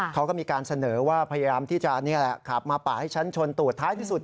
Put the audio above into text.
เขาก็มีการเสนอว่าพยายามที่จะนี่แหละขับมาป่าให้ฉันชนตูดท้ายที่สุด